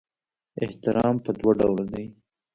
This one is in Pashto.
احترام په دوه ډوله دی.